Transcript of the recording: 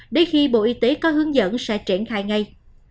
đến khi bộ y tế có hướng dẫn sẽ triển khai ngay